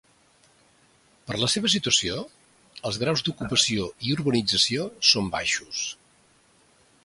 Per la seva situació, els graus d'ocupació i urbanització són baixos.